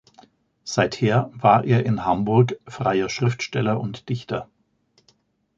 Seither war er in Hamburg freier Schriftsteller und Dichter.